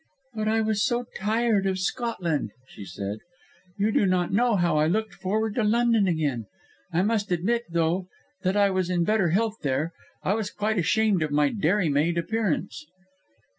"But I was so tired of Scotland," she said. "You do not know how I looked forward to London again. I must admit, though, that I was in better health there; I was quite ashamed of my dairy maid appearance."